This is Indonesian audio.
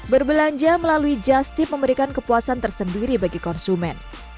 berbelanja melalui justip memberikan kepuasan tersendiri bagi konsumen